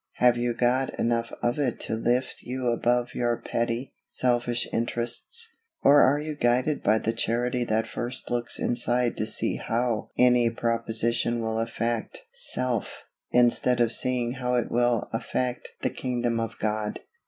Have you got enough of it to lift you above your petty, selfish interests, or are you guided by the Charity that first looks inside to see how any proposition will affect self, instead of seeing how it will affect the kingdom of God?